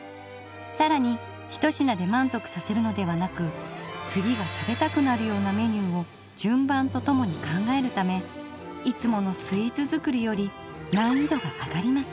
さらに１品で満足させるのではなく次が食べたくなるようなメニューを順番と共に考えるためいつものスイーツ作りより難易度が上がります。